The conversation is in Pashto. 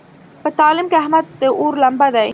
په تعلیم کې احمد د اور لمبه دی.